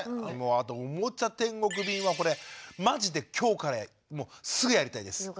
あと「おもちゃ天国便」はこれまじで今日からもうすぐやりたいです。